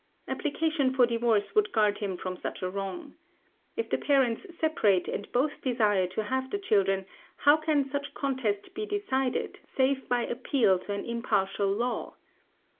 Application for divorce would guard him from such a wrong. If the parents separate, and both desire to have the children, how can such contest be decided, save by appeal to an impartial law?